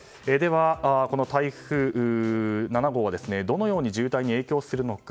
台風７号はどのように渋滞に影響するのか。